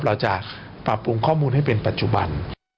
เราจะปรับปรุงข้อมูลให้เป็นปัจจุบัน